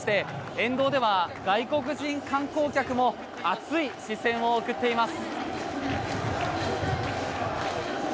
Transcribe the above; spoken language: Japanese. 沿道では外国人観光客も熱い視線を送っています。